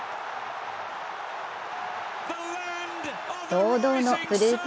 堂々のグループ